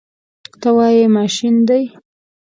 ته وایې ماشین دی.